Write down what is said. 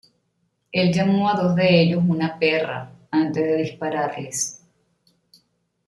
Él llamó a dos de ellos una "perra" antes de dispararles.